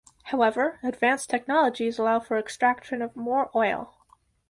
However, advanced technologies allow for extraction of more oil.